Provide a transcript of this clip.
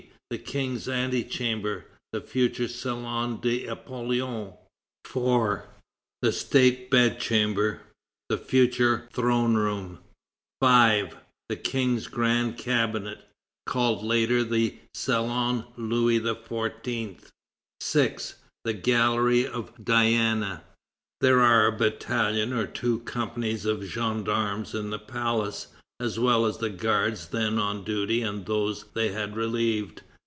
The King's Antechamber (the future Salon d'Apollon); 4. The State Bedchamber (the future Throne room); 5. The King's Grand Cabinet (called later the Salon of Louis XIV.); 6. The Gallery of Diana. There are a battalion and two companies of gendarmes in the palace, as well as the guards then on duty and those they had relieved.